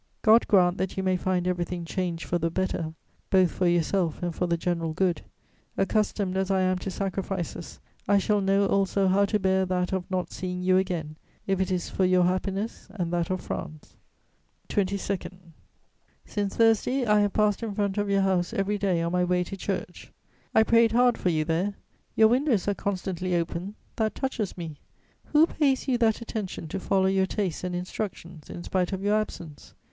"God grant that you may find everything changed for the better, both for yourself and for the general good! Accustomed as I am to sacrifices, I shall know also how to bear that of not seeing you again, if it is for your happiness and that of France." "22. "Since Thursday, I have passed in front of your house every day on my way to church; I prayed hard for you there. Your windows are constantly open, that touches me: who pays you that attention to follow your tastes and instructions, in spite of your absence?